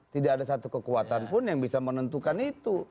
tidak ada satu kekuatan pun yang bisa menentukan itu